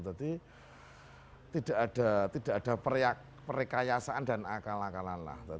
tadi tidak ada perkayasaan dan akal akalan